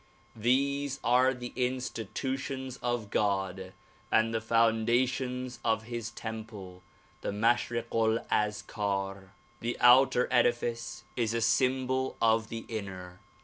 These are the institutions of God and the foundations of his temple the ^Nlashreq 'Ul Azkar. The outer edifice is a symbol of the inner.